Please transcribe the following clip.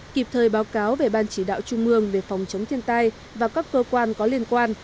kịp thời báo cáo về ban chỉ đạo trung mương về phòng chống thiên tai và các cơ quan có liên quan